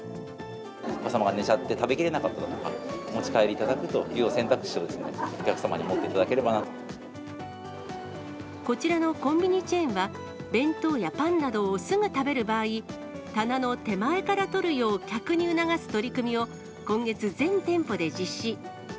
お子様が寝ちゃって食べ切れなかったりとか、お持ち帰りいただくという選択肢を、お客様に持こちらのコンビニチェーンは、弁当やパンなどをすぐ食べる場合、棚の手前から取るよう客に促す取り組みを、今月、全店舗で実施。